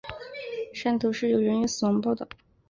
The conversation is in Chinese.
汕头市有人员死亡报导。